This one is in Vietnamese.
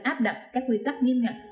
áp đặt các quy tắc nghiêm ngặt